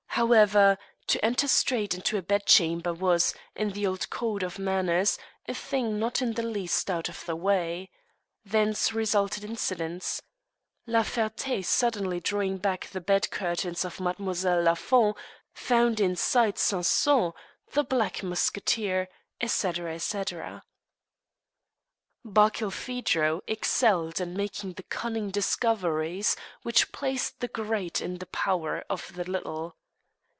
However, to enter straight into a bedchamber was, in the old code of manners, a thing not in the least out of the way. Thence resulted incidents. La Ferté, suddenly drawing back the bed curtains of Mademoiselle Lafont, found inside Sainson, the black musketeer, etc., etc. Barkilphedro excelled in making the cunning discoveries which place the great in the power of the little.